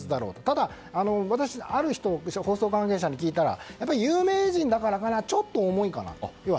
ただ、私ある放送関係者に聞いたら有名人だからかちょっと重いかなと。